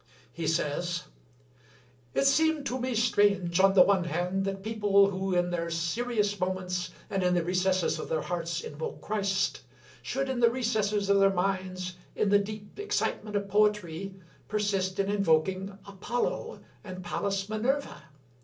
He says: "It seemed to me strange, on the one hand, that people who, in their serious moments and in the recesses of their hearts, invoked Christ, should in the recesses of their minds, in the deep excitement of poetry, persist in invoking Apollo and Pallas Minerva.